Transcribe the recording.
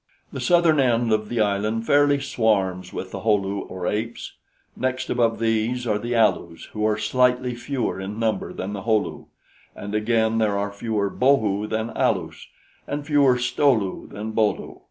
The southern end of the island fairly swarms with the Ho lu, or apes; next above these are the Alus, who are slightly fewer in number than the Ho lu; and again there are fewer Bo lu than Alus, and fewer Sto lu than Bo lu.